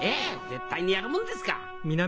絶対にやるもんですか！